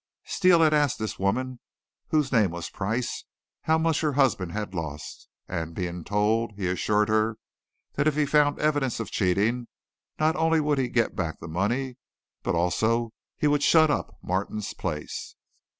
Steele had asked this woman, whose name was Price, how much her husband had lost, and, being told, he assured her that if he found evidence of cheating, not only would he get back the money, but also he would shut up Martin's place.